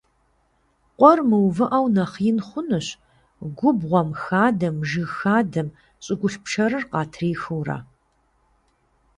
Къуэр мыувыӀэу нэхъ ин хъунущ, губгъуэм, хадэм, жыг хадэм щӀыгулъ пшэрыр къатрихыурэ.